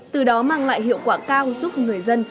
từ đó mang lại hiệu quả cao giúp người dân